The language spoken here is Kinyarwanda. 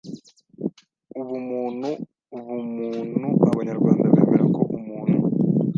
Ubumuntu b u m u ntu Abanyarwanda bemera ko umuntu